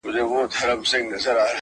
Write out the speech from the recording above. غر او سمه د سركښو اولسونو.!